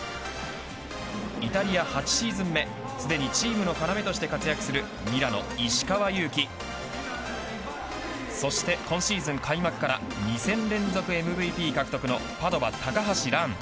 イタリア８シーズン目すでにチームの要として活躍するミラノ、石川祐希そして今シーズン開幕から２戦連続ＭＶＰ獲得のパドバ、高橋藍。